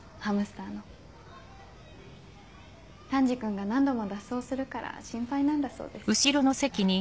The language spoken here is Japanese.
タンジ君が何度も脱走するから心配なんだそうです。